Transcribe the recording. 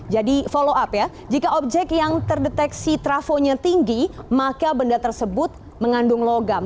jadi follow up ya jika objek yang terdeteksi trafonya tinggi maka benda tersebut mengandung logam